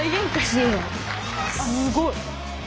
すごい。